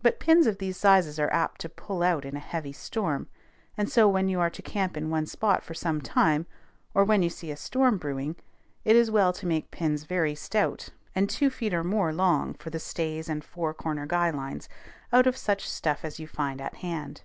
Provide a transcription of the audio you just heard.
But pins of these sizes are apt to pull out in a heavy storm; and so when you are to camp in one spot for some time, or when you see a storm brewing, it is well to make pins very stout, and two feet or more long, for the stays and four corner guy lines, out of such stuff as you find at hand.